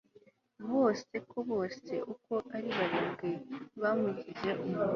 bose ko bose uko ari barindwi bamugize umugore